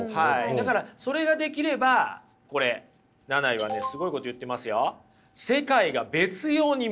だからそれができればこれナナイはねすごいこと言ってますよ。